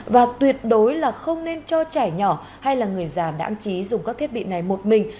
và tuyệt đối là không nên cho trẻ nhỏ hay là người già đã chí dùng các thiết bị này một mình